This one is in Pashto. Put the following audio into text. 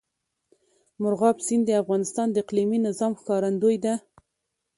مورغاب سیند د افغانستان د اقلیمي نظام ښکارندوی ده.